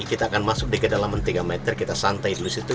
kita akan masuk ke dalam tiga meter kita santai dulu disitu